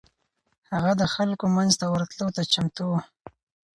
هغه د خلکو منځ ته ورتلو ته چمتو و.